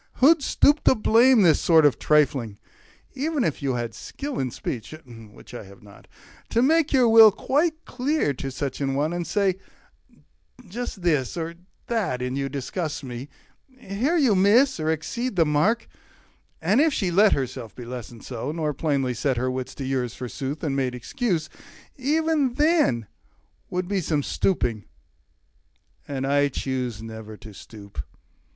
Who'd stoop to blame This sort of trifling? Even had you skill In speech (which I have not) to make your will Quite clear to such an one, and say, "Just this Or that in you disgusts me; here you miss, Or there exceed the mark" and if she let Herself be lessoned so, nor plainly set 40 Her wits to yours, forsooth, and made excuse, E'en that would be some stooping; and I choose Never to stoop.